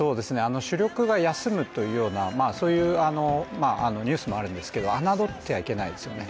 主力が休むというようなニュースもあるんですけど、侮ってはいけないですよね。